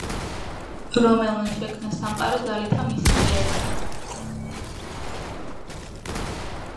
რომელმან შექმნა სამყარო ძალითა მით ძლიერითა,